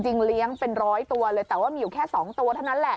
เลี้ยงเป็นร้อยตัวเลยแต่ว่ามีอยู่แค่๒ตัวเท่านั้นแหละ